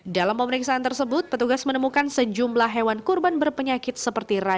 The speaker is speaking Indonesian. dalam pemeriksaan tersebut petugas menemukan sejumlah hewan kurban berpenyakit seperti racun